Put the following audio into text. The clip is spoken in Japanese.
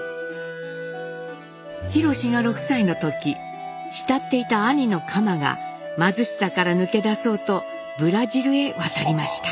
廣が６歳の時慕っていた兄の蒲が貧しさから抜け出そうとブラジルへ渡りました。